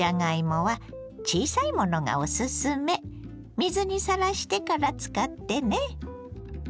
水にさらしてから使ってね。